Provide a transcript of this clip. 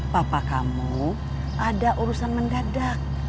papa kamu ada urusan mendadak